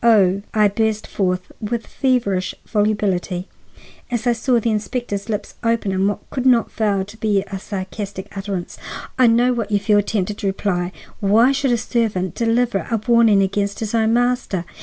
Oh," I burst forth with feverish volubility, as I saw the inspector's lips open in what could not fail to be a sarcastic utterance, "I know what you feel tempted to reply. Why should a servant deliver a warning against his own master?